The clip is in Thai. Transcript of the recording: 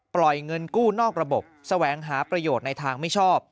ปล่อยเงินกู้นอกระบบแสวงหาประโยชน์ในทางไม่ชอบ